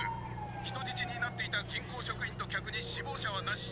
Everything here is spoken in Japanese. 人質になっていた銀行職員と客に死亡者はなし。